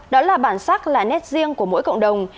đó là bản sắc là nét riêng của mỗi cộng đồng